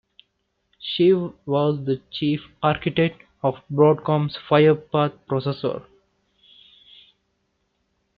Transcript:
She was the Chief Architect of Broadcom's Firepath processor.